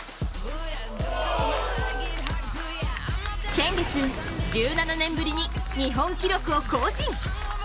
先月、１７年ぶりに日本記録を更新。